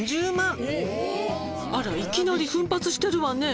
「あらいきなり奮発してるわね。